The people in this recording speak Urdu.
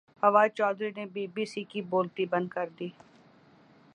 فواد چوہدری نے بی بی سی کی بولتی بند کردی